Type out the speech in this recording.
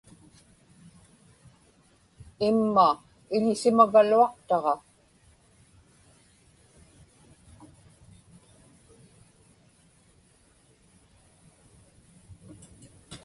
imma iḷisimagaluaqtaġa